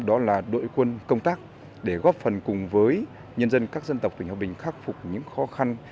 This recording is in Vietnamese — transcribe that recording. đó là đội quân công tác để góp phần cùng với nhân dân các dân tộc tỉnh hòa bình khắc phục những khó khăn